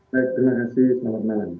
baik terima kasih selamat malam